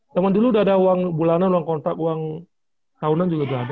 zaman dulu udah ada uang bulanan uang kontak uang tahunan juga sudah ada